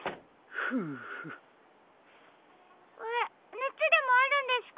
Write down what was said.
ねつでもあるんですか？